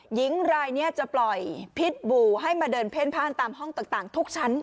หญิงรายนี้จะปล่อยพิษบูให้มาเดินเพ่นพ่านตามห้องต่างทุกชั้น